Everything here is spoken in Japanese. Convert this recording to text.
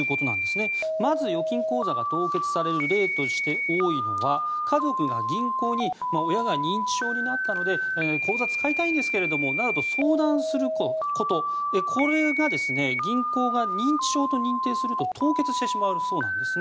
まず、預金口座が凍結される例として多いのは家族が銀行に親が認知症になったので口座を使いたいんですけれどもなどと相談することこれが、銀行が認知症と認定すると凍結してしまうそうなんです。